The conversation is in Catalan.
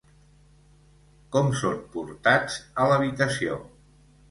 Com són portats a l'habitació?